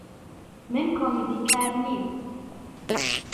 من کۆمیدیکار نیم.